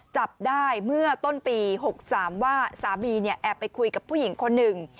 จับได้เมื่อต้นปี๖๓ว่าสามีเนี่ยแอบไปคุยกับผู้หญิงคนหนึ่ง